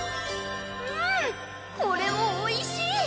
んこれもおいしい。